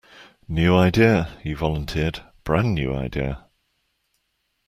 New idea, he volunteered, brand new idea.